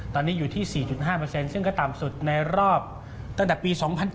ตอนนี้อยู่ที่๔๕ซึ่งก็ต่ำสุดในรอบตั้งแต่ปี๒๐๑๗